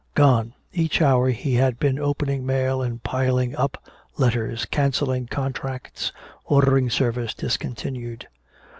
Gone! Each hour he had been opening mail and piling up letters cancelling contracts, ordering service discontinued.